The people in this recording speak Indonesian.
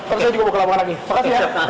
terus saya juga mau ke lapangan lagi